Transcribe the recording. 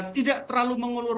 tidak terlalu mengulur